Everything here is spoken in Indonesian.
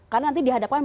karena nanti dihadapkan